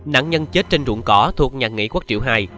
nạn nhân chết trên ruộng cỏ thuộc nhà nghỉ quốc triệu hai